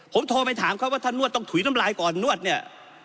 ผมโทรไปถามเขาว่าท่านนวดต้องถุยน้ำลายก่อนนวดเนี่ย